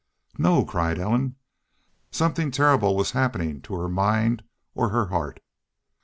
"No!" cried Ellen. Something terrible was happening to her mind or her heart.